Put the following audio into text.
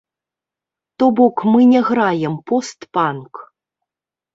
То бок мы не граем пост-панк.